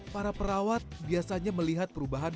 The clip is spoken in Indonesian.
para perawat biasanya melihat perubahan